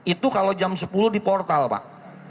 itu kalau jam sepuluh di portal pak